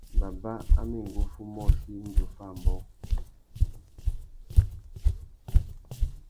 Baba a mà enga uffê umôchï indi offa ambōh.